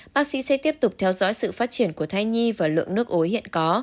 bác sĩ sẽ tiếp tục theo dõi sự phát triển của thai nhi và lượng nước ối hiện có